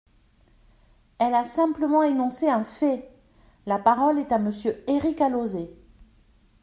Elle a simplement énoncé un fait ! La parole est à Monsieur Éric Alauzet.